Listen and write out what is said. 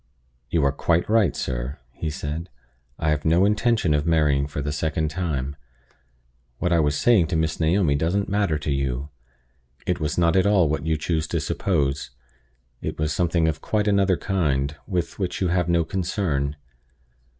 "You are quite right, sir," he said. "I have no intention of marrying for the second time. What I was saying to Miss Naomi doesn't matter to you. It was not at all what you choose to suppose; it was something of quite another kind, with which you have no concern.